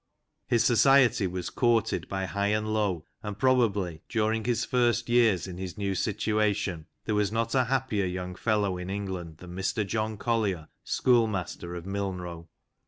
His society was courted by high and low, and probably, during his first years in his new situation, there was not a happier young fellow in England than Mr John Collier, schoolmaster of Milnrow.